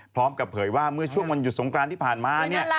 พร้อมกับเผยว่าเมื่อช่วงวันหยุดสงกรานที่ผ่านมาเนี่ย